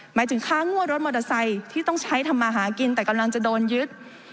หมายถึงค่างวดรถมอเตอร์ไซค์ที่ต้องใช้ทำมาหากินแต่กำลังจะโดนยึด